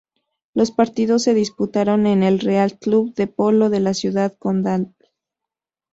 Los partidos se disputaron en el Real Club de Polo de la ciudad condal.